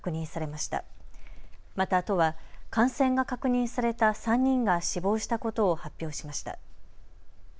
また都は感染が確認された３人が死亡したことを発表しました。